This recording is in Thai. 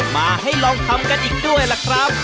มาให้ลองทำกันอีกด้วยล่ะครับ